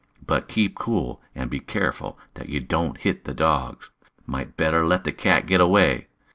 But keep cool. And be careful that you don't hit the dogs. Might better let the cat get away.